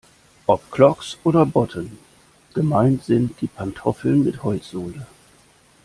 Ob Clogs oder Botten, gemeint sind die Pantoffeln mit Holzsohle.